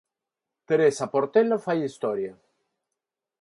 Teresa Portela fai historia.